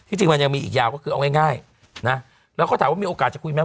จริงมันยังมีอีกยาวก็คือเอาง่ายนะแล้วเขาถามว่ามีโอกาสจะคุยไหม